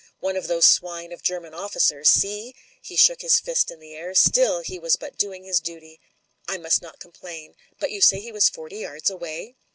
One of those swine of German officers, I sui^se/' He shook his fist in the air. ''Still he was but doing his duty. I must not complain. But you say he was forty yards away